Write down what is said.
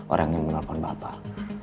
orang yang menelpon bapak